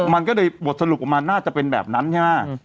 มันก็เลยบทสรุปออกมาน่าจะเป็นแบบนั้นใช่ไหม